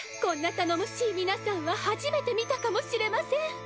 こんな頼もしい皆さんは初めて見たかもしれません。